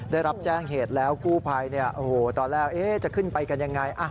ได้รับแจ้งเหตุแล้วกู้ภัยตอนแรกจะขึ้นไปกันยังไง